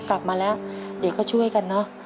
กลับมาแล้วเดี๋ยวก็ช่วยกันเนอะ